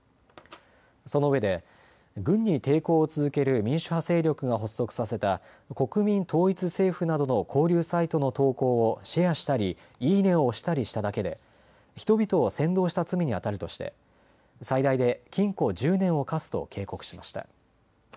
そのうえで軍に抵抗を続ける民主派勢力が発足させた国民統一政府などの交流サイトの投稿をシェアしたりいいねを押したりしただけで人々を扇動した罪にあたるとして最大で禁錮１０年を科すと警告しました。